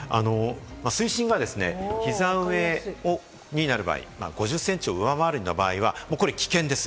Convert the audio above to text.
水深が膝上になる場合、５０センチを上回る場合は、これは危険です。